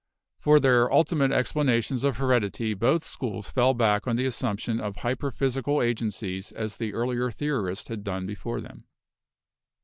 For their ultimate explanations of heredity both schools fell back on the assumption of hyperphysical agen cies as the earlier theorists had done before them.